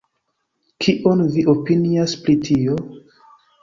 Kion vi opinias pri tio?